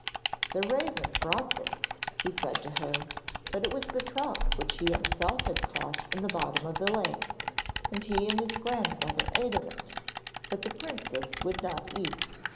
'The raven brought this,' he said to her. But it was the trout which he himself had caught in the bottom of the lake; and he and his grandmother ate of it, but the princess would not eat.